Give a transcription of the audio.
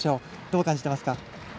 どう感じていますか？